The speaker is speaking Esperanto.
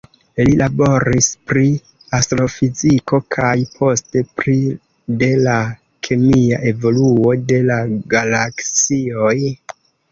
Li laboris pri astrofiziko, kaj poste pri de la kemia evoluo de la galaksioj.